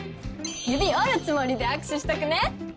指折るつもりで握手しとくね！